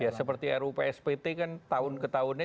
ya seperti rupspt kan tahun ke tahunnya